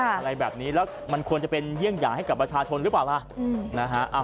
อะไรแบบนี้แล้วมันควรจะเป็นเยี่ยงอย่างให้กับประชาชนหรือเปล่าล่ะนะฮะ